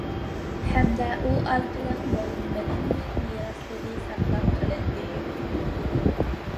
ھەمدە ئۇ ئارقىلىق مول مەدەنىيەت مىراسلىرى ساقلاپ قېلىندى.